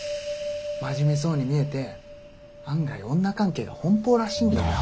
真面目そうに見えて案外女関係が奔放らしいんだよ。